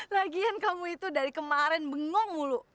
lagian kamu itu dari kemarin bengong mulu